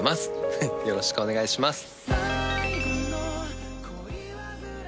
「フフッよろしくお願いします」